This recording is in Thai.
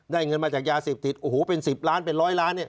ได้เงินมาจากยาเสพติดโอ้โหเป็น๑๐ล้านเป็น๑๐๐ล้าน